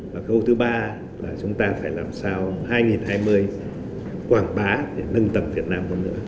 và khâu thứ ba là chúng ta phải làm sao hai nghìn hai mươi quảng bá để nâng tầm việt nam hơn nữa